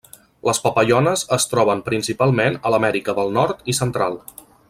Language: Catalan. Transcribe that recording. Les papallones es troben principalment a l'Amèrica del nord i central.